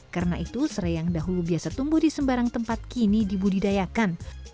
karena itu serai yang dahulu biasa tumbuh di sembarang tempat kini dibudidayakan